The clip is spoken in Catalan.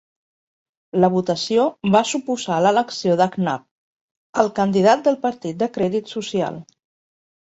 La votació va suposar l'elecció de Knapp, el candidat del Partit de Crèdit Social.